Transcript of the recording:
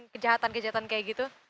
kejahatan kejahatan kayak gitu